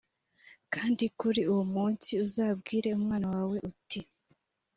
kandi kuri uwo munsi uzabwire umwana wawe uti